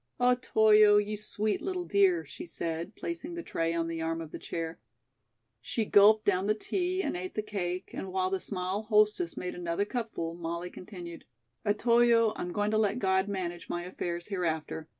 "Otoyo, you sweet, little dear," she said, placing the tray on the arm of the chair. She gulped down the tea and ate the cake, and while the small hostess made another cupful, Molly continued: "Otoyo, I'm going to let God manage my affairs hereafter.